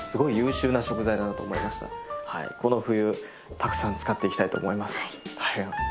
この冬たくさん使っていきたいと思います。